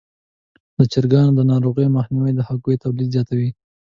د چرګانو د ناروغیو مخنیوی د هګیو تولید زیاتوي.